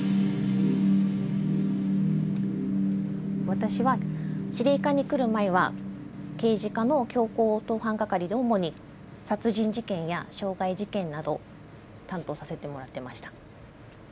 私は指令課に来る前は刑事課の強行・盗犯係で主に殺人事件や傷害事件など担当させてもらってました。